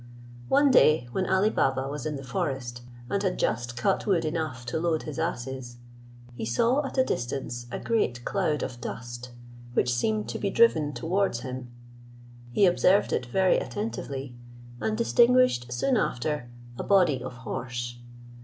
One day, when Ali Baba was in the forest, and had just cut wood enough to load his asses, he saw at a distance a great cloud of dust, which seemed to be driven towards him: he observed it very attentively, and distinguished soon after a body of horse.